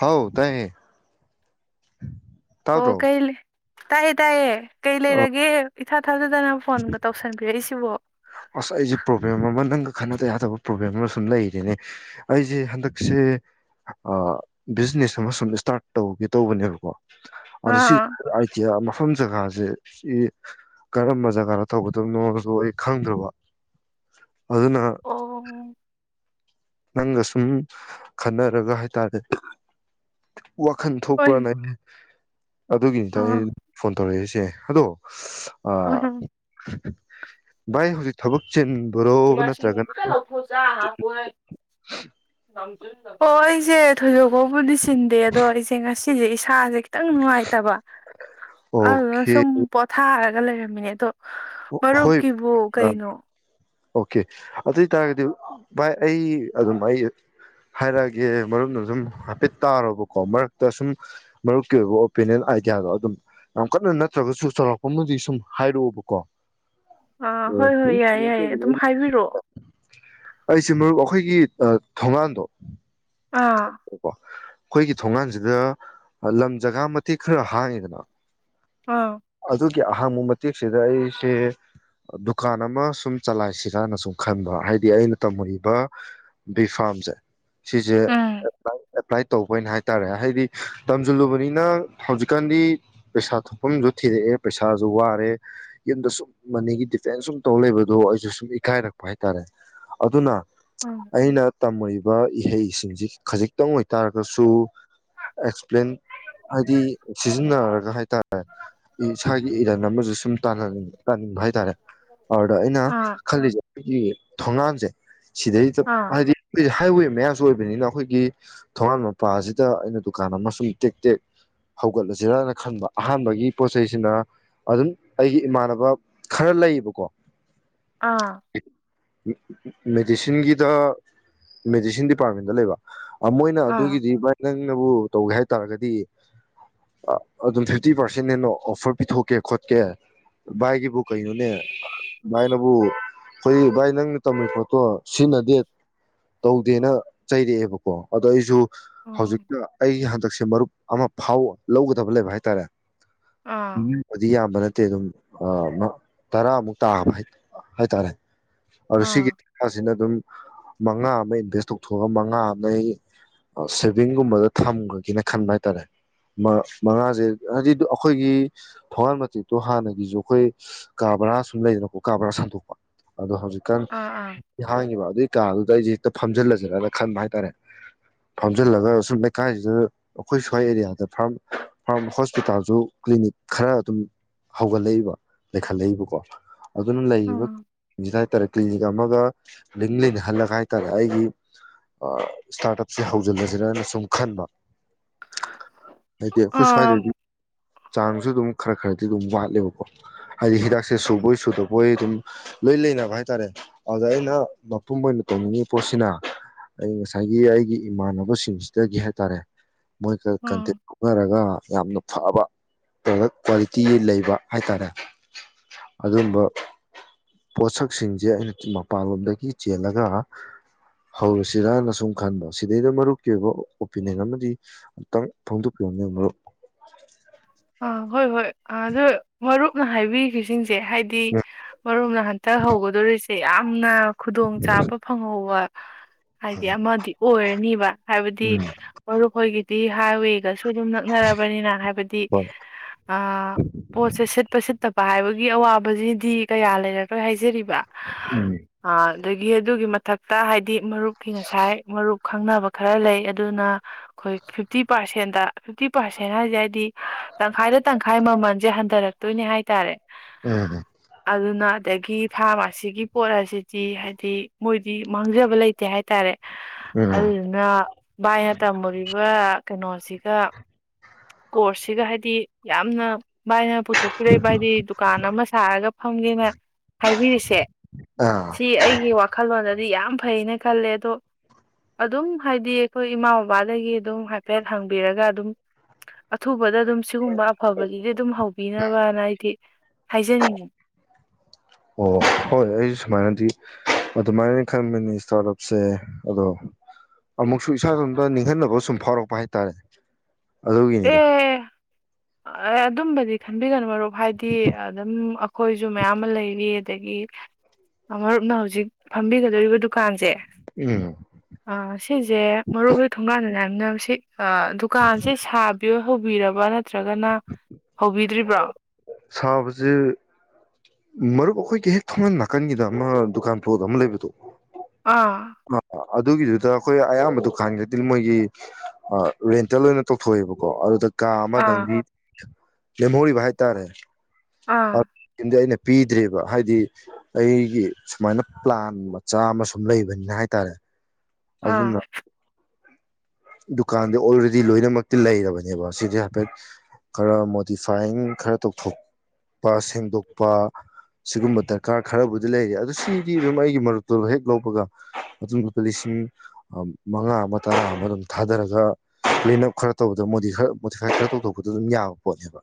ꯍꯥꯎ ꯇꯥꯏꯌꯦ ꯇꯥꯗ꯭ꯔꯣ [unintelligible] ꯇꯥꯏꯌꯦ ꯇꯥꯏꯌꯦ ꯀꯩ ꯑꯣ ꯂꯩꯔꯒꯦ ꯏꯊ ꯃꯊꯖꯗꯅ ꯐꯣꯟꯒ ꯇꯧꯁꯟꯕꯤꯔꯛꯏꯁꯤꯕꯣ ꯑꯁ ꯑꯩꯁꯦ ꯄ꯭ꯔꯣꯕ꯭ꯂꯦꯝ ꯑꯃ ꯅꯪꯒ ꯈꯟꯅꯗ ꯌꯥꯗꯕ ꯄ꯭ꯔꯣꯕ꯭ꯂꯦꯝ ꯑꯃ ꯁꯨꯝ ꯂꯩꯔꯤꯅꯦ ꯑꯩꯁꯦ ꯍꯟꯗꯛꯁꯦ ꯕꯤꯖꯤꯅꯦꯁ ꯑꯃ ꯁꯨꯝ ꯏꯁꯇꯥꯔꯠ ꯇꯧꯒꯦ ꯇꯧꯕꯅꯦꯕꯀꯣ ꯑ ꯁꯤ ꯑꯥ ꯃꯐꯝꯐꯝ ꯆꯒ ꯁꯦ ꯀꯔꯝꯕ ꯖꯒꯥꯗ ꯊꯧꯒꯗꯕꯅꯣꯁꯨ ꯑꯩ ꯈꯪꯗ꯭ꯔꯕ ꯑꯗꯨꯅ ꯑꯣ ꯅꯪꯒ ꯁꯨꯝ ꯈꯟꯅꯔꯒ ꯍꯥꯏꯇꯥꯔꯦ ꯋꯥꯈꯜ ꯍꯣꯏ ꯊꯣꯛꯄ꯭ꯔꯥꯅ ꯑꯗꯨꯒꯤꯅꯤꯗ ꯑꯥ ꯑꯩꯅ ꯐꯣꯟ ꯇꯧꯔꯛꯏꯁꯦ ꯑꯦ ꯍꯜꯂꯣ ꯑꯥ ꯎꯝ ꯚꯥꯏ ꯍꯧꯖꯤꯛ ꯊꯕꯛ ꯆꯤꯟ [unintelligible] [inaudible] ꯑꯣ ꯑꯩꯁꯦ ꯊꯣꯏꯗꯣꯛ ꯐꯥꯎꯕꯨꯗꯤ ꯆꯤꯟꯗꯦ ꯑꯗꯣ ꯑꯩꯁꯦ ꯉꯁꯤꯁꯦ ꯏꯁ ꯁꯥꯥꯁꯦ ꯈꯤꯇꯪ ꯅꯨꯡꯉꯥꯏꯇꯕ ꯑꯗꯨꯗꯨꯅ ꯑꯣꯀꯦ ꯁꯨꯝ ꯄꯣꯊꯥꯔꯒ ꯂꯩꯔꯝꯃꯤꯅꯦ ꯑꯗꯣ ꯍꯣꯏ ꯃꯔꯨꯞꯀꯤꯕꯨ ꯑ ꯀꯩꯅꯣ ꯑꯣꯀꯦ ꯑꯗꯨ ꯑꯣꯏ ꯇꯥꯔꯒꯗꯤ ꯚꯥꯏ ꯑꯩ ꯑꯗꯨꯝ ꯑꯩ ꯍꯥꯏꯔꯛꯑꯒꯦ ꯃꯔꯨꯞꯅ ꯑꯗꯨꯝ ꯍꯥꯏꯐꯦꯠ ꯇꯥꯔꯣꯕꯀꯣ ꯃꯔꯛꯇ ꯁꯨꯝ ꯃꯔꯨꯞꯀꯤ ꯑꯣꯏꯕ ꯑꯣꯄꯤꯅꯤꯌꯟ ꯑꯥꯏꯗꯤꯌꯥꯗꯣ ꯑꯗꯨꯝ ꯌꯥꯝ ꯀꯟꯅ ꯅꯠꯇ꯭ꯔꯒꯁꯨ ꯆꯥꯎꯔꯛꯄ ꯑꯃꯗꯤ ꯁꯨꯝ ꯍꯥꯏꯔꯛꯎꯕꯀꯣ ꯑ ꯍꯣꯏ ꯍꯣꯏ ꯌꯥꯏꯌꯦ ꯌꯥꯏꯌꯦ ꯑꯗꯨꯝ ꯍꯥꯏꯕꯤꯔꯛꯑꯣ ꯑꯩꯁꯦ ꯃꯔꯨꯞ ꯑꯩꯈꯣꯏꯒꯤ ꯑꯥ ꯊꯣꯡꯒꯥꯟꯗꯣ ꯑꯥ ꯀꯣ ꯑꯩꯈꯣꯏꯒꯤ ꯊꯣꯡꯒꯥꯟꯁꯤꯗ ꯂꯝ ꯖꯒꯥ ꯃꯇꯦꯛ ꯈꯔ ꯍꯥꯡꯉꯤꯗꯅ ꯑꯥꯎ ꯒꯤ ꯑꯍꯥꯡꯕ ꯃꯇꯦꯛꯁꯤꯗ ꯑꯩꯁꯦ ꯗꯨꯀꯥꯟ ꯑꯃ ꯁꯨꯝ ꯆꯂꯥꯏꯁꯤꯔꯥꯅ ꯁꯨꯝ ꯈꯟꯕ ꯍꯥꯏꯗꯤ ꯑꯩꯅ ꯇꯝꯃꯨꯔꯤꯕ ꯕꯤ ꯐꯥꯝꯁꯦ ꯎꯝ ꯑꯦꯄ꯭ꯂꯥꯏ ꯇꯧꯕꯅ ꯍꯥꯏ ꯇꯔꯦ ꯍꯥꯏꯗꯤ ꯇꯝꯁꯤꯜꯂꯨꯕꯅꯤꯅ ꯍꯧꯖꯤꯛꯀꯥꯟꯗꯤ ꯄꯩꯁꯥ ꯊꯣꯛꯐꯝꯁꯨ ꯊꯤꯔꯛꯑꯦ ꯄꯩꯁꯥꯁꯨ ꯋꯥꯔꯦ ꯌꯨꯝꯗ ꯁꯨꯝ ꯃꯅꯤꯒꯤ ꯗꯤꯐꯦꯟꯁ ꯁꯨꯝ ꯇꯧ ꯂꯩꯕꯗꯣ ꯑꯩꯁꯨ ꯁꯨꯝ ꯏꯀꯥꯏꯔꯛꯄ ꯍꯥꯏꯇꯥꯔꯦ ꯑꯗꯨꯅ ꯎꯝ ꯑꯩꯅ ꯇꯝꯃꯨꯔꯤꯕ ꯕ ꯏꯍꯩꯁꯤꯡꯁꯤ ꯈꯖꯤꯛꯇꯪ ꯑꯣꯏ ꯇꯥꯔꯒꯁꯨ ꯑꯦꯛꯁꯄ꯭ꯂꯦꯟ ꯍꯥꯏꯗꯤ ꯁꯤꯖꯤꯟꯅꯔꯒ ꯍꯥꯏꯇꯥꯔꯦ ꯏꯁꯥꯒꯤ ꯏꯔꯟ ꯑꯃꯁꯨ ꯁꯨꯝꯅꯤꯡ ꯇꯥꯅꯤꯡꯕ ꯍꯥꯏꯇꯥꯔꯦ ꯑꯗꯨꯗ ꯑꯩꯅ ꯑꯥ ꯈꯜꯂꯤꯁꯦ ꯑꯩꯈꯣꯏꯒꯤ ꯊꯣꯒꯥꯟꯁꯦ ꯁꯤꯗꯩꯗ ꯑꯥ ꯍꯥꯏꯗꯤ ꯍꯥꯏꯋꯦ ꯃꯌꯥꯁꯨ ꯑꯣꯏꯕꯅꯤꯅ ꯑꯈꯣꯏ ꯒꯤ ꯊꯣꯉꯥꯟ ꯃꯄꯥꯁꯤꯗ ꯑꯩꯅ ꯗꯨꯀꯥꯟ ꯑꯃꯁꯨꯡ ꯇꯦꯛ ꯇꯦꯛ ꯍꯧꯒꯠꯂꯁꯤꯔꯅ ꯈꯟꯕ ꯑꯍꯥꯟꯕꯒꯤ ꯄꯣꯠꯆꯩꯁꯤꯅ ꯑꯗꯨꯝ ꯑꯩꯒꯤ ꯏꯃꯥꯟꯅꯕ ꯈꯔ ꯂꯩꯌꯦꯕꯀꯣ ꯑꯥ ꯃꯦꯗꯤꯁꯤꯟꯒꯤꯗ ꯃꯦꯗꯤꯁꯤꯟ ꯗꯤꯄꯥꯔꯠꯃꯦꯟꯗ ꯂꯩꯕ ꯑꯃꯣꯏꯅ ꯑꯥ ꯑꯗꯨꯒꯤꯗꯤꯚꯥꯏ ꯅꯪ ꯅꯪ ꯅꯕꯨ ꯇꯧꯒꯦ ꯍꯥꯏ ꯇꯔꯗꯤ ꯑꯗꯨꯝ ꯊꯥꯔꯇꯤ ꯄ꯭ꯔꯁꯦꯟ ꯑꯣꯐ꯭ꯔꯄꯤꯊꯣꯛ ꯀꯦꯈꯣꯠꯀꯦ ꯚꯥꯏꯒꯤꯕꯨ ꯕꯨ ꯀꯩꯅꯣꯅꯦ ꯚꯥꯏꯅꯕꯨ ꯑꯩꯈꯣꯏ ꯚꯥꯏ ꯅꯪꯅ ꯇꯝꯃꯤ ꯄꯣꯠꯇꯣ ꯁꯤꯖꯤꯟꯅꯗꯦ ꯇꯧꯗꯦꯅ ꯆꯩꯔꯛꯑꯦꯕ ꯑꯣ ꯑꯗꯣ ꯑꯩꯁꯨ ꯑꯥ ꯍꯧꯖꯤꯛꯇ ꯑꯩ ꯍꯟꯗꯛꯁꯦ ꯃꯔꯨꯞ ꯑꯃ ꯐꯥꯎ ꯂꯧꯒꯗꯕ ꯂꯩꯕ ꯍꯥꯏꯇꯥꯔꯦ ꯑꯥ ꯃꯤꯕꯨꯗꯤ ꯌꯥꯝꯕ ꯅꯠꯇꯦ ꯑꯗꯨꯝ ꯑꯃ ꯇꯔꯥꯃꯨꯛ ꯇꯥꯕ ꯍꯥꯏ ꯍꯥꯏꯇꯥꯔꯦ ꯑꯗꯣ ꯁꯤꯒꯤ ꯑꯥ ꯇꯥꯁꯤꯅ ꯑꯗꯨꯝ ꯃꯉꯥ ꯑꯃ ꯏꯟꯚꯦꯁ ꯇꯧꯊꯣꯛꯑꯒ ꯃꯉꯥ ꯅꯩ ꯑꯥ ꯁꯦꯚꯤꯡꯒꯨꯝꯕꯗ ꯊꯝꯒ꯭ꯔꯥꯒꯦꯅ ꯈꯟꯕ ꯍꯥꯏꯇꯥꯔꯦ ꯃꯥ ꯃꯉꯥꯁꯦ ꯍꯥꯏꯗꯤ ꯑꯩꯈꯣꯏꯒꯤ ꯊꯣꯡꯒꯥꯥꯟ ꯃꯇꯦꯛꯇꯣ ꯍꯥꯟꯅꯒꯤꯁꯨ ꯑꯩꯈꯣꯏ ꯀꯥ ꯕꯔꯥ ꯁꯨꯝ ꯂꯩꯗꯅꯀꯣ ꯀꯥ ꯕꯔꯥ ꯁꯥꯟꯗꯣꯛꯄ ꯑꯗꯣ ꯍꯧꯖꯤꯛꯀꯥꯟ ꯑꯥ ꯑꯥ ꯃꯤ ꯍꯥꯡꯉꯤꯉꯤꯕ ꯑꯗꯨꯏ ꯀꯥꯗꯨ ꯑꯗ ꯑꯩꯁꯦ ꯍꯦꯛꯇ ꯐꯝꯖꯤꯜꯂꯁꯤꯔꯅ ꯈꯟꯕ ꯍꯥꯏꯇꯥꯔꯦ ꯐꯥꯝꯖꯤꯜꯂꯒ ꯁꯨꯝ ꯂꯩꯀꯥꯏꯁꯤꯗ ꯑꯩꯈꯣꯏ ꯁ꯭ꯋꯥꯏ ꯑꯦꯔꯤꯌꯥꯗ ꯐꯥꯔꯝ ꯐꯥꯔꯝ ꯍꯣꯁꯄꯤꯇꯥꯜꯁꯨ ꯀ꯭ꯂꯤꯅꯤꯛ ꯈꯔ ꯑꯗꯨꯝ ꯍꯧꯒꯠꯂꯛꯏꯕ ꯂꯩꯈꯠꯂꯛꯏꯕꯀꯣ ꯑꯗꯨꯅ ꯂꯩꯔꯤꯕꯥ ꯎꯝ ꯖꯤꯖꯥꯢꯟ ꯍꯥꯏꯇꯥꯔꯦ ꯀ꯭ꯂꯅꯤꯛ [unintelligible] ꯑꯃꯒ ꯂꯤꯡ ꯂꯩꯅꯍꯜꯂꯒ ꯍꯥꯏꯇꯥꯔꯦ ꯑꯩꯒꯤ ꯑꯥ ꯏꯁꯇꯥꯔꯠ ꯑꯞꯁꯦ ꯍꯧꯖꯤꯜꯂꯁꯤꯔꯅ ꯁꯨꯝ ꯈꯟꯕ ꯍꯥꯏꯗꯤ ꯑꯩꯈꯣꯢ ꯁ꯭ꯋꯥꯢꯗꯗꯤ ꯆꯥꯡꯁꯨ ꯑꯗꯨꯝ ꯈꯔ ꯈꯔꯗꯤ ꯑꯗꯨꯝ ꯋꯥꯠꯂꯦꯕꯀꯣ ꯍꯥꯏꯗꯤ ꯍꯤꯗꯥꯛꯁꯦ ꯁꯨꯕꯣꯏ ꯁꯨꯗꯕꯣꯏ ꯑꯗꯨꯝ ꯂꯣꯏ ꯂꯩꯅꯕ ꯍꯥꯏ ꯇꯔꯦ ꯑꯗꯨꯗ ꯑꯩꯅ ꯃꯄꯨꯝ ꯑꯣꯏꯅ ꯇꯧꯅꯤꯡꯉꯤ ꯄꯣꯠꯁꯤꯅ ꯑꯩ ꯉꯁꯥꯏꯒꯤ ꯑꯩꯒꯤ ꯏꯃꯥꯟꯅꯕꯁꯤꯡꯁꯤꯗꯒꯤ ꯍꯥꯏ ꯇꯔꯦ ꯃꯣꯏꯒ ꯀꯟꯇꯦꯛ ꯂꯧꯅꯔꯒ ꯌꯥꯝꯅ ꯐꯕ ꯄ꯭ꯔꯗꯛ ꯀ꯭ꯋꯥꯂꯤꯇꯤ ꯂꯩꯕ ꯍꯥꯏ ꯇꯥꯔꯦ ꯑꯗꯨꯝꯕ ꯄꯣꯠꯁꯛꯁꯤꯡꯁꯦ ꯑꯩꯅ ꯃꯄꯥꯟꯂꯣꯝꯗꯒꯤ ꯆꯦꯜꯂꯒ ꯍꯧꯔꯁꯤꯔꯅ ꯁꯨꯝ ꯈꯟꯕ ꯁꯤꯗꯩꯗ ꯃꯔꯨꯞꯀꯤ ꯑꯣꯏꯕ ꯑꯣꯄꯤꯅꯤꯌꯟ ꯑꯃꯗꯤ ꯑꯃꯨꯛꯇꯪ ꯐꯣꯡꯗꯣꯛꯄꯤꯔꯝꯃꯨꯅꯦ ꯃꯔꯨꯞ ꯑ ꯍꯣꯏ ꯍꯣꯏ ꯑꯗꯨ ꯃꯔꯨꯞꯅ ꯍꯥꯏꯕꯤꯈꯤ ꯁꯤꯡꯁꯦ ꯁꯦ ꯍꯥꯏꯗꯤ ꯃꯔꯨꯝꯅ ꯍꯟꯇꯛ ꯍꯧꯒꯗꯣꯔꯤꯁꯦ ꯑꯦ ꯌꯥꯝꯅ ꯈꯨꯗꯣꯡ ꯆꯥꯕ ꯐꯪꯍꯧꯕ ꯍꯥꯏꯗꯤ ꯑꯃꯗꯤ ꯑꯣꯏꯔꯅꯤꯕ ꯍꯥꯏꯕꯗꯤ ꯎꯝ ꯃꯔꯨꯞꯍꯣꯏꯒꯤꯗꯤ ꯍꯥꯏꯋꯦꯒꯁꯨ ꯑꯗꯨꯝ ꯅꯛꯅꯔꯕꯅꯤꯅ ꯍꯥꯏꯕꯗꯤ ꯍꯣꯏ ꯑ ꯄꯣꯠꯁꯦ ꯁꯤꯠꯄ ꯁꯤꯠꯇ ꯄꯥ ꯍꯥꯏꯕꯒꯤ ꯑꯋꯥꯕꯁꯤꯗꯤ ꯀꯌꯥ ꯂꯩꯔꯔꯣꯏ ꯍꯥꯏꯖꯔꯤ ꯕ ꯎꯝ ꯑꯥ ꯑꯗꯒꯤ ꯑꯗꯨꯒꯤ ꯃꯊꯛꯇ ꯍꯥꯏꯗꯤ ꯃꯔꯨꯞꯀꯤ ꯉꯁꯥꯏ ꯃꯔꯨꯞ ꯈꯪꯅꯕ ꯈꯔ ꯂꯩ ꯑꯗꯨꯅ ꯑꯩꯈꯣꯏ ꯐꯤꯐꯇꯤ ꯄꯥꯔꯁꯦꯟ ꯗꯥ ꯐꯤꯐꯇꯤ ꯄꯔꯁꯦꯟ ꯍꯥꯏꯁꯦ ꯍꯥꯏꯗꯤ ꯇꯪꯈꯥꯏꯗ ꯇꯪꯈꯥꯏ ꯃꯃꯜꯁꯦ ꯍꯟꯊꯔꯛ ꯗꯣꯏꯅꯦ ꯍꯥꯏꯇꯥꯔꯦ ꯎꯝ ꯑꯗꯨꯅ ꯑꯗꯒꯤ ꯐꯥꯔꯃꯥꯁꯤꯒꯤ ꯄꯣꯠ ꯑꯁꯤꯗꯤ ꯍꯥꯏꯗꯤ ꯃꯣꯏꯗꯤ ꯃꯥꯡꯖꯕ ꯂꯩꯇꯦ ꯍꯥꯏꯇꯥꯔꯦ ꯎꯝ ꯑꯗꯨꯗꯨꯅ ꯚꯥꯏꯅ ꯇꯝꯃꯨꯔꯤꯕ ꯀꯩꯅꯣꯁꯤꯒ ꯀꯣꯔꯁꯁꯤꯒ ꯍꯥꯏꯗꯤ ꯌꯥꯝꯅ ꯃꯥꯏꯅ ꯄꯨꯊꯣꯛꯄꯤꯔꯛꯏ ꯕꯥ ꯍꯥꯏꯗꯤ ꯗꯨꯀꯥꯟ ꯑꯃ ꯁꯥꯔꯒ ꯐꯪꯒꯦꯅ ꯍꯥꯏꯕꯤꯔꯤꯁꯦ ꯑꯥ ꯁꯤ ꯑꯩꯒꯤ ꯋꯥꯈꯜꯂꯣꯟꯗ ꯍꯥꯏꯗꯤ ꯌꯥꯝ ꯐꯩꯅ ꯈꯜꯂꯦ ꯑꯗꯣ ꯑꯗꯨꯝ ꯍꯥꯏꯗꯤ ꯑꯩꯈꯣꯏ ꯏꯃꯥ ꯕꯕꯥꯗꯒꯤ ꯑꯗꯨꯝ ꯍꯥꯏꯐꯦꯠ ꯍꯪꯕꯤꯔꯒ ꯑꯗꯨꯝ ꯑꯊꯨ ꯑꯗꯗꯨꯡ ꯁꯤꯒꯨꯝꯕ ꯑꯐꯕꯒꯤꯗꯤ ꯑꯗꯨꯝ ꯍꯧꯕꯤꯅꯕꯅ ꯑꯩꯗꯤ ꯍꯥꯏꯖꯅꯤꯡꯉ ꯑꯣ ꯍꯣꯏ ꯑꯩꯁꯨ ꯁꯨꯃꯥꯏꯅꯗꯤ ꯑꯗꯨꯃꯥꯏꯅ ꯈꯟꯕꯅꯤ ꯏꯁꯇꯥꯔꯠ ꯑꯞꯁꯦ ꯑꯗꯣ ꯑꯃꯨꯛꯁꯨ ꯏꯁꯥ ꯑ ꯅꯤꯡꯍꯟꯅꯕ ꯁꯨꯝ ꯐꯥꯎꯔꯛꯄ ꯍꯥꯏꯇꯥꯔꯦ ꯑꯗꯨꯒꯤꯅꯤꯗ ꯑꯦ ꯑꯗꯨꯝꯕꯗꯤ ꯈꯟꯕꯤꯒꯅꯨ ꯃꯔꯨꯞ ꯍꯥꯏꯗꯤ ꯑꯗꯨꯝ ꯑꯩꯈꯣꯏꯁꯨ ꯃꯌꯥꯝ ꯑꯃ ꯂꯩꯔꯤ ꯑꯗꯒꯤ ꯃꯔꯨꯞꯅ ꯍꯧꯖꯤꯛ ꯐꯝꯕꯤꯒꯗꯧꯔꯤꯕ ꯗꯨꯀꯥꯟꯁꯦ ꯎꯝ ꯑ ꯁꯤꯁꯦ ꯃꯔꯨꯞꯍꯣꯏ ꯊꯣꯡꯒꯥꯟꯗꯅꯅꯦ ꯁꯤ ꯗꯨꯀꯥꯟꯁꯦ ꯁꯥꯥꯕꯤꯌꯣ ꯍꯧꯕꯤꯔꯕ ꯅꯠꯇ꯭ꯔꯒꯅ ꯍꯧꯕꯤꯗ꯭ꯔꯤꯕ꯭ꯔꯣ ꯁꯥꯕꯁꯦ ꯃꯔꯨꯞ ꯑꯩꯈꯣꯏꯒꯤ ꯍꯦꯛ ꯊꯧꯅ ꯅꯥꯀꯟꯒꯤꯗ ꯑꯃ ꯗꯨꯀꯥꯟ ꯄ꯭ꯂꯣꯠ ꯑꯃ ꯂꯩꯕꯗꯣ ꯑꯥ ꯑꯗꯨꯒꯤꯗꯨꯗ ꯑꯩꯈꯣꯏ ꯑꯌꯥꯝꯕ ꯗꯨꯀꯥꯟꯒꯤꯗꯗꯤ ꯃꯣꯏꯒꯤ ꯔꯦꯟꯇꯦꯜ ꯑꯣꯏꯅ ꯇꯧꯊꯣꯛꯑꯦꯕꯀꯣ ꯑꯗꯨꯗ ꯀꯥ ꯑꯥ ꯑꯃꯗꯪꯗꯤ ꯂꯦꯝꯍꯧꯔꯤꯕ ꯍꯥꯏꯇꯥꯔꯦ ꯑꯥ ꯗꯤ ꯑꯩꯅ ꯄꯤꯗ꯭ꯔꯦꯕ ꯍꯥꯏꯗꯤ ꯑꯩꯒꯤ ꯁꯨꯃꯥꯏꯅ ꯄ꯭ꯂꯥꯟ ꯃꯆꯥ ꯑꯃ ꯁꯨꯝ ꯂꯩꯕꯅꯤꯅ ꯍꯥꯏꯇꯥꯔꯦ ꯑꯥ ꯑꯗꯨꯅ ꯗꯨꯀꯥꯟꯗ ꯑꯣꯜꯔꯦꯗꯤ ꯂꯣꯏꯅꯃꯛꯇꯤ ꯂꯩꯔꯕꯅꯦꯕ ꯁꯤꯁ ꯍꯥꯏꯐꯦꯠ ꯈꯔ ꯃꯣꯗꯤꯐꯥꯏꯤꯡ ꯈꯔ ꯇꯧꯊꯣꯛꯄ ꯁꯦꯡꯗꯣꯛꯄ ꯁꯤꯒꯨꯝꯕ ꯗꯔꯀꯥꯔ ꯈꯔꯕꯨꯗꯤ ꯂꯩꯔꯤ ꯑꯗꯨꯗꯣ ꯁꯤꯗꯤ ꯑꯗꯨꯝ ꯑꯩꯒꯤ ꯃꯔꯛꯇꯨꯗ ꯍꯦꯛ ꯂꯧꯕꯒ ꯃꯇꯨꯡ ꯂꯨꯄꯥ ꯂꯤꯁꯤꯡ ꯃꯉꯥ ꯑꯃ ꯇꯔꯥ ꯑꯃ ꯑꯗꯨꯝ ꯊꯥꯗꯔꯒ ꯀ꯭ꯂꯤꯟ ꯑꯞ ꯈꯔ ꯇꯧꯕꯗ ꯃꯣꯗꯤ ꯈꯔ ꯃꯣꯗꯤꯐꯥꯏ ꯈꯔ ꯇꯧꯊꯣꯛꯄꯗ ꯑꯗꯨꯝ ꯌꯥꯕ ꯄꯣꯠꯅꯦꯕ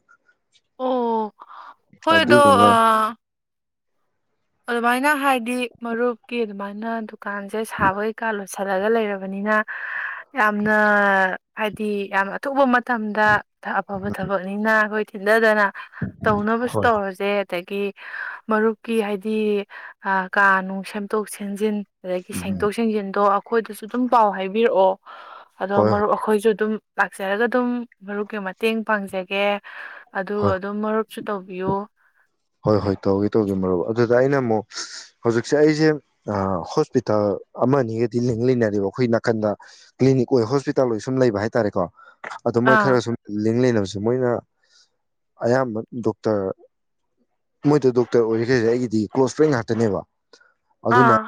ꯑꯣ ꯍꯣꯏꯗꯣ ꯑꯗꯨꯗꯨꯅ ꯑ ꯑꯗꯨꯃꯥꯏꯅ ꯍꯥꯏꯗꯤ ꯃꯔꯨꯞꯀꯤ ꯑꯗꯨꯃꯥꯏꯅ ꯗꯨꯀꯥꯟꯁꯦ ꯁꯥꯕ ꯀꯩꯀꯥ ꯂꯣꯏꯁꯤꯜꯂꯒ ꯂꯩꯔꯕꯅꯤꯅ ꯌꯥꯝꯅ ꯍꯥꯏꯗꯤ ꯌꯥꯝꯅ ꯑꯊꯨꯕ ꯃꯇꯝꯗ ꯑꯐꯕ ꯊꯕꯛꯅꯤꯅ ꯑꯩꯈꯣꯏ ꯊꯤꯟꯗꯗꯅ ꯇꯧꯅꯕꯁꯨ ꯍꯣꯏ ꯇꯧꯔꯁꯦ ꯑꯗꯒꯤ ꯃꯔꯨꯞꯀꯤ ꯍꯥꯏꯗꯤ ꯗꯤ ꯀꯥ ꯅꯨꯡ ꯁꯦꯝꯗꯣꯛ ꯁꯦꯝꯖꯤꯟ ꯑꯗꯒꯤ ꯎꯝ ꯁꯦꯡꯇꯣꯛ ꯁꯦꯡꯖꯤꯟꯗꯣ ꯑꯩꯈꯣꯏꯗꯁꯨ ꯑꯗꯨꯝ ꯄꯥꯎ ꯍꯥꯏꯕꯤꯔꯛꯑꯣ ꯑꯗꯣ ꯍꯣꯏ ꯃꯔꯨꯞ ꯑꯩꯈꯣꯏꯁꯨ ꯑꯗꯨꯝ ꯂꯥꯛꯆꯔꯒ ꯑꯗꯨꯝ ꯃꯔꯨꯞꯀꯤ ꯃꯇꯦꯡ ꯄꯥꯡꯖꯒꯦ ꯑꯗꯨ ꯍꯣꯏ ꯑꯗꯨꯝ ꯃꯔꯨꯞꯁꯨ ꯇꯧꯕꯤꯌꯣ ꯍꯣꯏ ꯍꯣꯏ ꯇꯧꯒꯦ ꯇꯧꯖꯦ ꯃꯔꯨꯞ ꯑꯗꯨꯗ ꯑꯩꯅ ꯑꯃꯨꯛ ꯍꯧꯖꯤꯛꯁꯦ ꯑꯩꯁꯦ ꯑ ꯍꯣꯁꯄꯤꯇꯥꯜ ꯑꯃꯅꯤꯒꯗꯤ ꯂꯦꯡꯃꯤꯟꯅꯔꯤꯕ ꯈꯣꯢ ꯅꯥꯀꯟꯗ ꯀꯂꯤꯅꯤꯛ ꯑꯣꯏ ꯍꯣꯁꯄꯤꯇꯥꯜ ꯑꯣꯏ ꯂꯩꯕ ꯍꯥꯢꯇꯥꯔꯦꯀꯣ ꯑꯗꯣ ꯃꯣꯏ ꯈꯔ ꯑꯥ ꯁꯨꯝ ꯂꯤꯡ ꯂꯩꯅ ꯁ ꯃꯣꯏꯅ ꯑꯌꯥꯝꯕ ꯗꯣꯛꯇꯔ ꯃꯣꯏꯗ ꯗꯣꯛꯇꯔ ꯑꯣꯏꯔꯤꯈꯩꯁꯦ ꯑꯩꯒꯤꯗꯤ ꯀ꯭ꯂꯣꯁ ꯐ꯭ꯔꯦꯟ ꯉꯥꯛꯇꯅꯦꯕ ꯑꯗꯨꯅ ꯑꯥ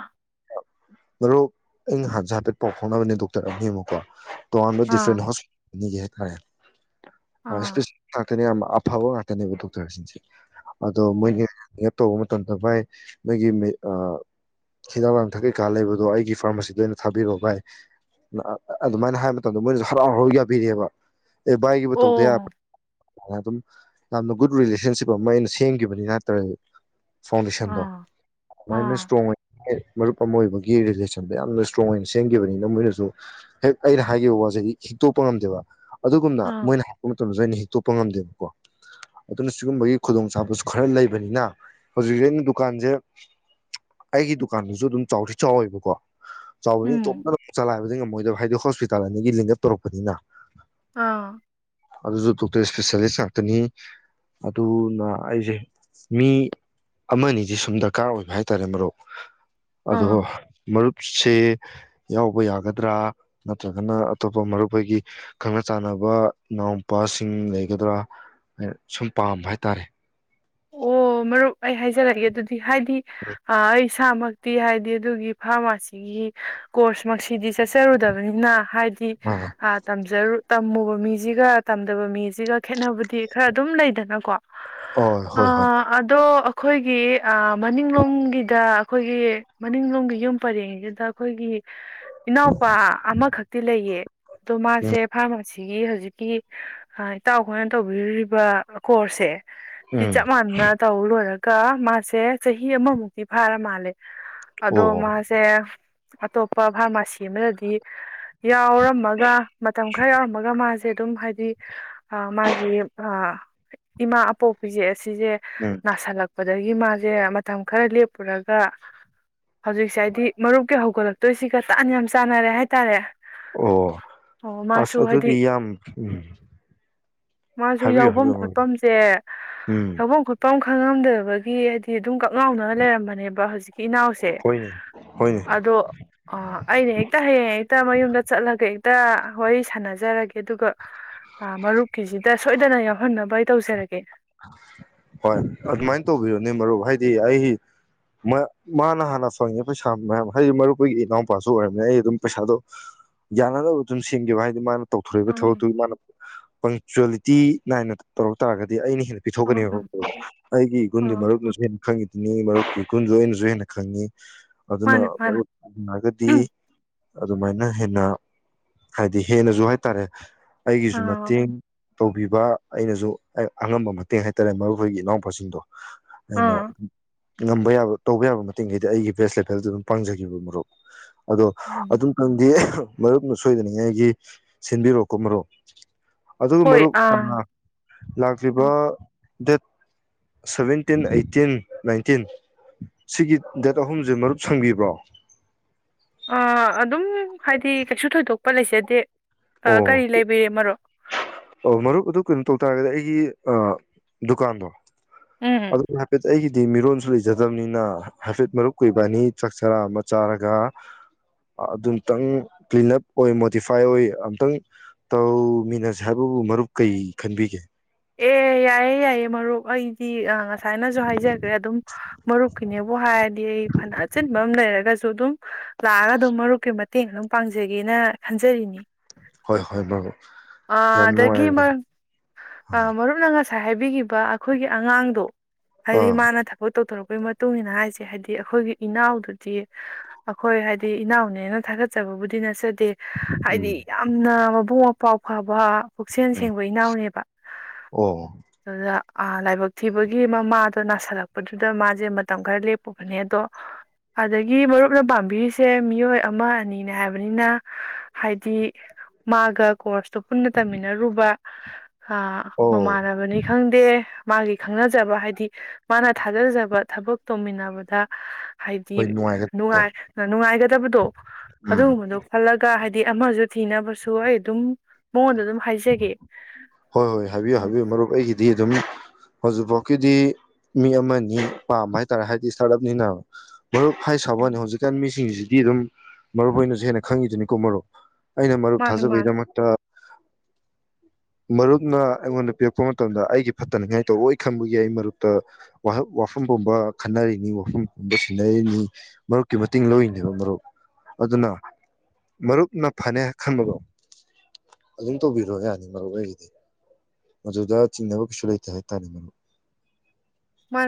ꯃꯔꯨꯞ ꯑꯩꯩ ꯅꯍꯥꯟꯁꯦ ꯍꯥꯏꯐꯦꯠ ꯄꯥꯎ ꯐꯥꯎꯅꯕꯅꯦ ꯗꯣꯛꯇꯔ ꯑꯅꯤꯅꯦꯕꯀꯣ ꯇꯣꯉꯥꯟꯕ ꯗꯤꯐ꯭ꯔꯦꯟ ꯑꯥ ꯍꯣꯁ ꯑꯅꯤꯖꯦ [unintelligible] ꯑ ꯑꯥ ꯁ꯭ꯄꯦꯁ꯭ꯌꯦꯂꯤ ꯉꯥꯛ ꯇꯅꯦꯕ ꯑꯐꯕ ꯉꯥꯛꯇꯅꯦꯕ ꯗꯣꯛꯇꯔꯁꯤꯡꯁꯦ ꯑꯗꯣ ꯃꯣꯏꯒꯤ ꯑꯣ ꯑꯦꯞ ꯇꯧꯕ ꯃꯇꯝꯗ ꯚꯥꯏ ꯅꯣꯏꯒꯤ ꯃꯤ ꯑꯥ ꯍꯤꯗꯥꯛ ꯂꯥꯡꯊꯛ ꯀꯩꯀꯥ ꯂꯩꯕꯗꯣ ꯑꯩꯒꯤ ꯐꯥꯔꯝꯃꯥꯁꯤꯗ ꯑꯣꯏꯅ ꯊꯥꯕꯤꯔꯛꯑꯣ ꯚꯥꯏ ꯑ ꯑꯗꯨꯃꯥꯏꯅ ꯍꯥꯏꯕ ꯃꯇꯝꯗ ꯃꯣꯏꯅꯁꯨ ꯍꯔꯥꯎ ꯍꯔꯥꯎ ꯌꯥꯕꯤꯔꯛꯑꯦꯕ ꯑꯦ ꯚꯥꯏꯒꯤꯕꯨ ꯇꯧꯗ ꯑꯣ ꯌꯥꯕ꯭ꯔꯣ ꯑꯗꯨꯝ ꯌꯥꯝꯅ ꯒꯨꯗ ꯔꯤꯂꯦꯁꯟꯁꯤꯞ ꯑꯃ ꯑꯩꯅ ꯁꯤ ꯁꯦꯝꯈꯤꯕꯅꯤ ꯅꯠꯇ꯭ꯔ ꯐꯥꯎꯟꯗꯦꯁꯟꯗꯣ ꯑꯥ ꯑꯗꯨꯃꯥꯏꯅ ꯑꯥ ꯁꯇ꯭ꯔꯣꯡ ꯑꯣꯏꯅ ꯃꯔꯨꯞ ꯑꯃ ꯑꯣꯏꯕꯒꯤ ꯔꯤꯂꯦꯁꯟꯗ ꯌꯥꯝꯅ ꯁꯇ꯭ꯔꯣꯡ ꯑꯣꯏꯅ ꯁꯦꯝꯈꯤꯕꯅꯤꯅ ꯃꯣꯏꯅꯁꯨ ꯍꯦꯛ ꯑꯩꯅ ꯍꯥꯏꯈꯤꯕ ꯋꯥꯁꯦ ꯍꯤꯛꯇꯣꯛꯄ ꯉꯝꯗꯦꯕ ꯑꯗꯨꯒꯨꯝꯅ ꯑꯥ ꯃꯣꯏꯅ ꯍꯥꯏ ꯗꯖꯨ ꯑꯩꯅ ꯍꯤꯛꯇꯣꯛꯄ ꯉꯝꯗꯦꯕꯀꯣ ꯑꯗꯨꯅ ꯁꯤꯒꯨꯝꯕꯒꯤ ꯈꯨꯗꯣꯡ ꯆꯥꯕꯁꯨ ꯈꯔ ꯂꯩꯕꯅꯤꯅ ꯍꯧꯖꯤꯛꯁꯦ ꯑꯩꯅ ꯗꯨꯀꯥꯟꯁꯦ ꯑꯩꯒꯤ ꯗꯨꯀꯥꯟꯗꯨꯁꯨ ꯑꯗꯨꯝ ꯆꯥꯎꯗꯤ ꯆꯥꯎꯋꯦꯕꯀꯣ ꯆꯥꯎꯕꯅꯤꯅ ꯎꯝ ꯢꯇꯣꯝꯇ ꯗꯨꯝ ꯆꯂꯥꯏꯕꯗꯤ ꯉꯝ ꯃꯣꯏꯗꯣ ꯍꯥꯏꯗꯣ ꯍꯣꯁꯄꯤꯇꯥꯜ ꯑꯅꯤꯒꯤ ꯂꯤꯡ ꯑꯞ ꯇꯧꯔꯛꯄꯅꯤꯅ ꯑꯥ ꯑꯗꯨꯁꯨ ꯗꯣꯛꯇꯔ ꯁ꯭ꯄꯦꯁ꯭ꯌꯦꯂꯤꯁ ꯉꯥꯛꯇꯅꯤ ꯑꯗꯨꯅ ꯑꯩꯁꯦ ꯃꯤ ꯑꯃꯅꯤꯁꯦ ꯁꯨꯝ ꯗꯔꯀꯥꯔ ꯑꯣꯏꯕ ꯍꯥꯏꯇꯥꯔꯦ ꯃꯔꯨꯞ ꯑꯗꯣ ꯑꯥ ꯃꯔꯨꯞꯁꯦ ꯌꯥꯎꯕ ꯌꯥꯒꯗ꯭ꯔ ꯅꯠꯇ꯭ꯔꯒꯅ ꯑꯇꯣꯞꯄ ꯃꯔꯨꯞꯈꯣꯏꯒꯤ ꯈꯪꯅ ꯆꯥꯟꯅꯕ ꯏꯅꯥꯎꯄꯥꯁꯤꯡ ꯂꯩꯒꯗ꯭ꯔ ꯑꯩꯅ ꯁꯨꯝ ꯄꯥꯝꯕ ꯍꯥꯏꯇꯔꯦ ꯑꯣ ꯃꯔꯨꯞ ꯑꯩ ꯍꯥꯏꯖꯔꯒꯦ ꯑꯗꯨꯗꯤ ꯍꯥꯏꯗꯤ ꯑ ꯑꯩ ꯏꯁꯥꯃꯛꯇꯤ ꯍꯥꯏꯗꯤ ꯑꯗꯨꯒꯤ ꯐꯥꯔꯃꯥꯁꯤꯒꯤ ꯀꯣꯔꯁ ꯃꯛꯁꯤꯗꯤ ꯆꯠꯆꯔꯨꯗꯕꯅꯤꯅ ꯍꯥꯏ ꯗꯤ ꯑꯥ ꯑ ꯇꯝꯖꯔꯨ ꯇꯝꯃꯨꯕ ꯃꯤꯁꯤꯒ ꯇꯝꯗꯕ ꯃꯤꯁꯤꯒ ꯈꯦꯠꯅ ꯗꯤ ꯈꯔ ꯑꯗꯨꯝ ꯂꯩꯗꯅꯀꯣ ꯍꯣꯏ ꯍꯣꯏ ꯍꯣꯏ ꯑꯥ ꯑꯗꯣ ꯑꯈꯣꯏꯒꯤ ꯑꯥ ꯃꯅꯤꯡꯂꯣꯝꯒꯤꯗ ꯑꯈꯣꯏꯒꯤ ꯃꯅꯤꯡꯂꯣꯝꯒꯤ ꯌꯨꯝ ꯄꯔꯦꯡꯁꯤꯗ ꯑꯈꯣꯏꯒꯤ ꯏꯅꯥꯎꯄꯥ ꯑꯃꯈꯛꯇꯤ ꯂꯩꯌꯦ ꯇꯣ ꯃꯥꯁꯦ ꯐꯥꯔꯃꯁ ꯁꯤꯒꯤ ꯍꯧꯖꯤꯛꯀꯤ ꯑꯥ ꯏꯇꯥꯎ ꯈꯣꯏꯅ ꯇꯧꯕꯤꯔꯤꯕ ꯀꯣꯔꯁꯁꯦ ꯁꯤ ꯎꯝ ꯆꯄ ꯃꯥꯟꯅꯥ ꯇꯧꯜ ꯂꯧꯔ ꯀ ꯃꯥꯁꯦ ꯆꯍꯤ ꯑꯃꯃꯨꯛꯇꯤ ꯐꯔꯥ ꯃꯥꯜꯂꯦ ꯎꯝ ꯑꯣ ꯑꯗꯣ ꯃꯥꯁꯦ ꯑꯇꯣꯞꯄ ꯐꯥꯔꯃꯁꯤ ꯑꯃꯗꯗꯤ ꯌꯥꯎꯔꯝꯃꯒ ꯃꯇꯝ ꯈꯔ ꯌꯥꯎꯔꯝꯃꯒ ꯃꯥꯁꯦ ꯑꯗꯨꯝ ꯍꯥꯏꯗꯤ ꯑꯥ ꯃꯥꯒꯤ ꯑꯥ ꯏꯃꯥ ꯑꯄꯣꯛ ꯕꯤꯖꯤꯑꯦꯁ ꯁꯤꯁꯦ ꯅꯥꯁꯜꯂꯛ ꯑꯗꯒꯤ ꯃꯥꯁꯦ ꯃꯇꯝ ꯈꯔ ꯂꯦꯞꯄꯨꯔꯒ ꯍꯧꯖꯤꯛꯁꯦ ꯍꯥꯏꯗꯤ ꯃꯔꯨꯞꯀꯤ ꯍꯧꯒꯠꯂꯛꯇꯣꯏꯁꯤꯒ ꯇꯥꯟ ꯌꯥꯝ ꯆꯥꯟꯅꯔꯦ ꯍꯥꯏꯇꯥꯔꯦ ꯑꯣ ꯑꯣ ꯑꯁ ꯃꯥꯁꯨ ꯑꯗꯨꯗꯤ ꯍꯥꯏꯗꯤ ꯌꯥꯝ ꯎꯝ ꯃꯥꯁꯨ ꯍꯥꯏꯕꯤꯌꯨ ꯌꯥꯎꯐꯝ ꯍꯥꯏꯕꯤꯌꯨ ꯈꯣꯠꯐꯝꯁꯦ ꯎꯝ ꯁꯃꯨꯡ ꯄꯪꯪꯡ ꯇꯨꯈꯝꯗꯕꯒꯤ ꯑꯗꯨꯝ ꯀꯛꯉꯥꯎꯅ ꯂꯩꯔꯝꯕꯅꯦꯕ ꯍꯧꯖꯤꯛꯀꯤ ꯏꯅꯥꯎꯁꯦ ꯍꯣꯏꯅꯦ ꯍꯣꯏꯅꯦ ꯑꯗꯣ ꯑꯥ ꯑꯩꯅ ꯍꯦꯛꯇ ꯍꯥꯌꯦꯡ ꯍꯦꯛꯇ ꯃꯌꯨꯝꯗ ꯆꯠꯂꯒ ꯇ ꯋꯥꯔꯤ ꯁꯥꯟꯅꯖꯔꯒꯦ ꯑꯗꯨꯒ ꯃꯔꯨꯞꯀꯤꯁꯤꯗ ꯁꯣꯏꯗꯅ ꯌꯥꯎꯍꯟꯅꯕ ꯇꯧꯖꯔꯒꯦ ꯍꯣꯏ ꯑꯗꯨꯃꯥꯏꯅ ꯇꯧꯕꯤꯔꯣꯅꯦ ꯃꯔꯨꯞ ꯍꯥꯏꯗꯤ ꯑꯩ ꯃꯥꯅ ꯃꯥꯅ ꯍꯥꯟꯅ ꯐꯪꯉꯩ ꯄꯩꯁꯥ ꯃꯌꯥꯝ ꯍꯥꯏꯗꯤ ꯃꯔꯨꯞꯈꯣꯒꯤ ꯏꯅꯥꯎꯄꯥꯁꯨ ꯑꯣꯏꯔꯅꯤꯅ ꯑꯩ ꯑꯗꯨꯝ ꯄꯩꯁꯥꯗꯣ ꯌꯥꯅꯅꯕ ꯑꯗꯨꯝ ꯁꯦꯟꯒꯦꯕ ꯍꯥꯏꯗꯤ ꯃꯥꯅ ꯇꯧꯊꯣꯔꯛꯏꯕ ꯑꯥ ꯊꯕꯛꯇꯨꯒꯤ ꯃꯥꯅ ꯄꯪꯆꯨꯜꯂꯤ ꯇꯤ ꯅꯥꯏꯅ ꯇꯧꯔꯛ ꯇꯥꯔꯒꯗꯤ ꯑꯩꯅ ꯍꯦ ꯍꯦꯟꯅ ꯑꯥ ꯄꯤꯊꯣꯛꯀꯅꯤꯕ ꯑꯥ ꯑꯩꯒꯤ ꯏꯒꯨꯟꯗꯤ ꯑꯥ ꯃꯔꯨꯞꯅꯁꯨ ꯍꯦꯟꯅ ꯈꯪꯉꯤ ꯅꯤ ꯃꯔꯨꯄꯀꯤ ꯑꯈꯣꯏ ꯂꯣꯢꯅꯁꯨ ꯍꯦꯟꯅ ꯈꯪꯉꯤ ꯑꯗꯨꯅ ꯃꯥꯅꯦ ꯃꯥꯅꯦ ꯃꯔꯨꯄ ꯐꯪꯉꯒꯗꯤ ꯎꯝ ꯑꯗꯨꯃꯥꯏꯅ ꯍꯦꯟꯅ ꯍꯥꯏꯗꯤ ꯍꯦꯟꯅꯁꯨ ꯍꯥꯏꯇꯥꯔꯦ ꯑꯩꯒꯤꯁꯨ ꯑꯥ ꯃꯇꯦꯡ ꯇꯧꯕꯤꯕ ꯑꯩꯅꯁꯨ ꯑꯉꯝꯕ ꯃꯇ ꯃꯇꯦꯡ ꯍꯥꯏꯇꯥꯔꯦ ꯃꯔꯨꯞ ꯍꯣꯏꯒꯤ ꯏꯅꯥꯎꯄꯥꯁꯤꯡꯗꯣ ꯑꯩꯅ ꯑꯥ ꯎꯝ ꯉꯝꯕ ꯌꯥꯕ ꯇꯧꯕ ꯌꯥꯕ ꯃꯇꯦꯡꯈꯩꯗꯤ ꯑꯩꯒꯤ ꯕꯦꯁ ꯂꯦꯚꯦꯜꯗ ꯑꯗꯨꯝ ꯄꯥꯡꯖꯒꯦꯕ ꯃꯔꯨꯞ ꯑꯗꯣ ꯑꯗꯨꯝꯇꯪꯗꯤ ꯑꯍ ꯃꯔꯨꯞꯅ ꯁꯣꯏꯗꯅꯤꯡꯉꯥꯏꯒꯤ ꯁꯤꯟꯕꯤꯔꯛꯑꯣꯀꯣ ꯃꯔꯨꯞ ꯑꯗꯨꯒ ꯃꯔꯨꯞ ꯑꯥ ꯂꯥꯛꯂꯤꯕ ꯗꯦꯠ ꯁꯚꯦꯟꯇꯤꯟ ꯑꯩꯠꯇꯤꯟ ꯅꯥꯏꯟꯇꯤꯟ ꯁꯤꯒꯤ ꯗꯦꯠ ꯑꯍꯨꯝꯁꯦ ꯃꯔꯨꯞ ꯁꯪꯕꯤꯕ꯭ꯔꯣ ꯑ ꯑꯗꯨꯝ ꯍꯥꯏꯗꯤ ꯀꯩꯁꯨ ꯊꯣꯏꯗꯣꯛꯄ ꯂꯩꯖꯗꯦ ꯑꯣ ꯀꯔꯤ ꯂꯩꯕꯤꯔꯦ ꯃꯔꯨꯞ ꯑꯣ ꯃꯔꯨꯞ ꯑꯗꯨ ꯀꯩꯅꯣ ꯇꯧ ꯇꯥꯔꯒꯗꯤ ꯑꯩꯒꯤ ꯗꯨꯀꯥꯟꯗꯣ ꯎꯝ ꯑꯗꯨ ꯍꯥꯏꯐꯦꯠꯇꯤ ꯑꯩꯑꯤ ꯍꯥꯏꯗꯤ ꯃꯤꯔꯣꯟꯁꯨ ꯂꯩꯖꯗꯕꯅꯤꯅ ꯍꯥꯏꯐꯦꯠ ꯃꯔꯨꯞꯀꯥ ꯏꯕꯥꯅꯤ ꯆꯥꯛ ꯆꯔꯥ ꯑꯃ ꯆꯥꯔꯒ ꯑꯗꯨꯝꯇꯪ ꯀ꯭ꯂꯤꯟ ꯑꯞ ꯑꯣꯏ ꯃꯣꯗꯤꯐꯥꯏ ꯑꯣꯏ ꯑꯝꯇꯪ ꯇꯧꯃꯤꯟꯅꯁꯤ ꯍꯥꯏꯕꯕꯨ [unintelligible] ꯃꯔꯨꯞ ꯀꯩ ꯈꯟꯕꯤꯒꯦ ꯑꯦ ꯌꯥꯏꯌꯦ ꯌꯥꯏꯌꯦ ꯃꯔꯨꯞ ꯑꯩ ꯗꯤ ꯉꯁꯥꯏꯅꯁꯨ ꯍꯥꯏꯖꯈ꯭ꯔꯦ ꯑꯗꯨꯝ ꯃꯔꯨꯞꯀꯤꯅꯦꯕꯨ ꯍꯥꯏꯔꯗꯤ ꯑꯩ ꯐꯅ ꯑꯆꯤꯟꯕ ꯑꯃ ꯂꯩꯔꯒꯁꯨ ꯗꯨꯗꯨꯝ ꯂꯥꯛꯑꯒ ꯑꯗꯨꯝ ꯃꯔꯨꯞꯀꯤ ꯃꯠ ꯃꯇꯦꯡ ꯑꯗꯨꯝ ꯄꯥꯡꯖꯒꯦꯅ ꯈꯟꯖꯔꯤꯅꯤ ꯍꯣꯏ ꯍꯣꯏ ꯃꯔꯨꯞ ꯑꯥ ꯌꯥꯝ ꯑꯗꯒꯤ ꯃꯥ ꯅꯨꯡꯉꯥꯏꯔꯦ ꯑꯥ ꯃꯔꯨꯞꯅ ꯉꯁꯥꯢ ꯉꯁꯥꯏ ꯍꯥꯏꯕꯤꯒꯤꯕ ꯑꯩꯈꯣꯏꯒꯤ ꯑꯉꯥꯡꯗꯣ ꯍꯥꯏꯗꯤ ꯑꯥ ꯃꯥꯅ ꯊꯕꯛ ꯇꯧꯊꯣꯔꯛꯄ ꯒꯤ ꯃꯇꯨꯡꯏꯟꯅ ꯍꯥꯏꯁꯦ ꯍꯥꯏꯗꯤ ꯑꯩꯈꯣꯏꯒꯤ ꯏꯅꯥꯎꯗꯨꯗꯤ ꯑꯩꯈꯣꯏ ꯍꯥꯏꯗꯤ ꯏꯅꯥꯎꯅꯦꯅ ꯊꯥꯒꯠꯆꯕꯕꯨꯗꯤ ꯅꯠꯆꯗꯦ ꯇꯦꯍꯥꯏꯗꯤ ꯎꯝ ꯌꯥꯝꯅ ꯃꯕꯨꯛ ꯃꯄꯥꯎ ꯐꯕ ꯄꯨꯛꯆꯦꯜ ꯎꯝ ꯁꯦꯡꯕ ꯏꯅꯥꯎꯅꯦꯕ ꯑꯣ ꯑꯗꯨꯗ ꯑꯥ ꯂꯥꯏꯕꯛ ꯊꯤꯕꯒꯤ ꯃꯃꯥꯗꯣ ꯅꯥꯁꯤꯜꯂꯛꯄꯗꯨꯗ ꯃꯥꯁꯦ ꯃꯇꯝ ꯈꯔ ꯂꯦꯞꯄꯨꯕꯅꯦ ꯑꯗꯣ ꯑꯗꯒꯤ ꯃꯔꯨꯞꯅ ꯄꯥꯝꯕꯤꯔꯤꯁꯦ ꯃꯤꯑꯣꯏ ꯑꯃ ꯑꯅꯤꯅꯦ ꯍꯥꯏꯕꯅꯤꯅ ꯍꯥꯏꯗꯤ ꯃꯥꯒ ꯀꯣꯁ ꯇꯣ ꯄꯨꯟꯅ ꯇꯝꯃꯤꯟꯅꯔꯨꯕ ꯑ ꯑꯣ ꯃꯃꯥꯟꯅꯕꯅꯤ ꯈꯪꯗꯦ ꯃꯥꯒꯤ ꯈꯪꯅꯖꯕ ꯍꯥꯏꯗꯤ ꯃꯥꯅ ꯊꯥꯖꯖꯕ ꯊꯕꯛ ꯇꯧꯃꯤꯟꯅꯕꯗ ꯍꯣꯏ ꯍꯥꯏꯗꯤ ꯅꯨꯡꯉꯥꯏꯒꯗꯣ ꯅꯨꯡꯉꯥꯏ ꯅꯨꯡꯉꯥꯏꯒꯗꯕꯗꯣ ꯎꯝ ꯑꯗꯨꯒꯨꯝꯕꯗꯣ ꯈꯜꯂꯒ ꯍꯥꯏꯗꯤ ꯗꯤ ꯑꯃꯁꯨ ꯊꯤꯅꯕꯁꯨ ꯑꯩ ꯑꯗꯨꯝ ꯃꯉꯣꯟꯗ ꯑꯗꯨꯝ ꯍꯥꯏꯖꯒꯦ ꯍꯣꯏ ꯍꯣꯏ ꯍꯥꯏꯕꯤꯌꯨ ꯎꯝ ꯍꯥꯏꯕꯤꯌꯨ ꯃꯔꯨꯞ ꯑꯩꯒꯤꯗꯤ ꯑꯗꯨꯝ ꯍꯧꯖꯤꯛꯐꯥꯎ ꯀꯤꯗꯤ ꯃꯤ ꯑꯃꯅꯤ ꯄꯥꯝꯕ ꯍꯥꯏꯇꯥꯔꯦ ꯍꯥꯏꯗꯤ ꯁ꯭ꯇꯥꯥꯔꯠ ꯑꯞꯅꯤꯅ ꯃꯔꯨꯞ ꯍꯥꯏ ꯁꯥꯕꯅꯤ ꯎꯝ ꯍꯧꯖꯤꯛꯀꯥꯟ ꯃꯤꯁꯤꯡꯁꯤ ꯗꯤ ꯑꯗꯨꯝ ꯃꯔꯨꯞ ꯑꯣꯏꯅꯁꯨ ꯍꯦꯟꯅ ꯈꯪꯉꯤꯗꯨꯅꯤꯀꯣ ꯃꯔꯨꯞ ꯑꯩꯅ ꯃꯔꯨꯞ ꯃꯥꯅꯦ ꯃꯥꯅꯦ ꯊꯥꯖꯕꯩꯗꯃꯛꯇ ꯃꯔꯨꯞꯅ ꯑꯩꯉꯣꯟꯗ ꯄꯤꯔꯛꯄ ꯃꯇꯝꯗ ꯑꯩꯒꯤ ꯐꯠꯇꯅꯤꯡꯉꯥꯏ ꯇꯧꯔꯑꯣꯏ ꯈꯟꯕꯒꯤ ꯑꯩ ꯃꯔꯨꯞꯇ ꯋꯥꯐꯝ ꯄꯨꯝꯕ ꯈꯟꯅꯔꯤꯅꯤ ꯋꯥꯐꯝ ꯄꯨꯝꯕ ꯁꯤꯟꯅꯔꯤꯅꯤ ꯃꯔꯨꯞꯀꯤ ꯃꯇꯦꯡ ꯂꯧꯔꯤꯅꯦꯕ ꯃꯔꯨꯞ ꯑꯗꯨꯅ ꯃꯔꯨꯞꯅ ꯐꯅꯦ ꯈꯟꯕꯗꯣ ꯑꯗꯨꯝ ꯇꯧꯕꯤꯔꯣ ꯌꯥꯅꯤ ꯃꯔꯨꯞ ꯑꯩꯒꯤꯗꯤ ꯃꯗꯨꯗ ꯆꯤꯡꯅꯕ ꯀꯩꯁꯨ ꯂꯩꯇꯦ ꯍꯥꯏꯇꯥꯔꯦ ꯃꯔꯨꯞ ꯃꯥꯅ